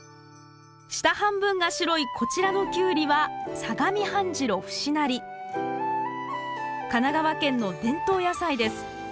下半分が白いこちらのキュウリは神奈川県の伝統野菜です。